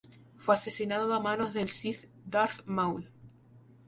Fue asesinado a manos del Sith Darth Maul.